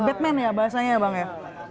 batman ya bahasanya ya bang ya